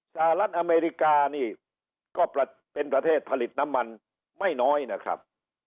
สหรัฐอเมริกานี่ก็เป็นประเทศผลิตน้ำมันไม่น้อยนะครับ